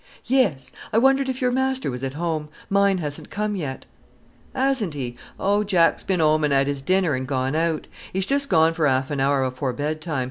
"Yes. I wondered if your Master was at home. Mine hasn't come yet." "'Asn't 'e! Oh, Jack's been 'ome an' 'ad 'is dinner an' gone out. 'E's just gone for 'alf an hour afore bedtime.